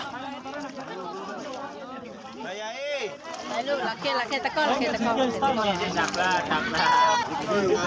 warga menerjang banjir setinggi satu meter dengan membawa keranda jenazah